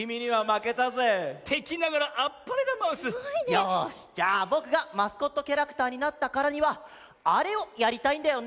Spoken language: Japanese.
よしじゃあぼくがマスコットキャラクターになったからにはあれをやりたいんだよね。